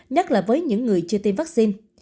nhất là với những người chưa tiêm vaccine